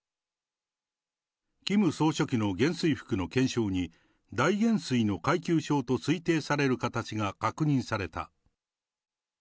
キム総書記の元帥服の肩章に、大元帥の階級章と推定される形が確認された。